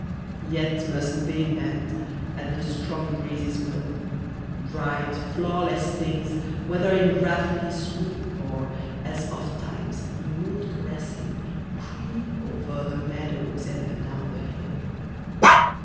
Yet must they bend at the strong breeze's will, Bright, flawless things, whether in wrath he sweep Or, as oftimes, in mood caressing, creep Over the meadows and adown the hill.